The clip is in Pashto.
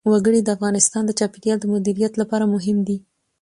وګړي د افغانستان د چاپیریال د مدیریت لپاره مهم دي.